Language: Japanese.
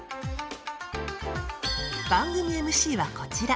番組ＭＣはこちら！